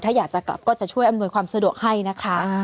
ถ้าอยากจะกลับก็จะช่วยอำนวยความสะดวกให้นะคะ